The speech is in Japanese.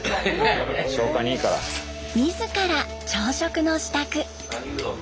自ら朝食の支度。